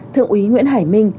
thượng úy nguyễn hải minh